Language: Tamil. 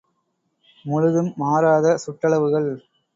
முழுதும் மாறாத சுட்டளவுகள்.